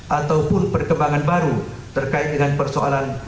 ataupun perkembangan baru terkait dengan persoalan